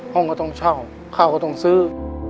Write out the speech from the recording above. ห้องก็ต้องเช่าข้าวก็ต้องซื้อ